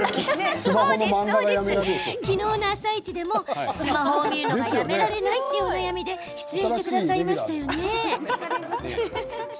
昨日の「あさイチ」でもスマホを見るのがやめられないというお悩みで出演してくださいましたよね。